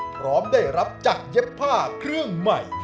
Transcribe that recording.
พร้อมได้รับจากเย็บผ้าเครื่องใหม่